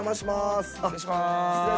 あっ失礼します